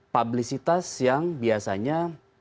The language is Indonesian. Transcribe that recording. publisitas yang biasanya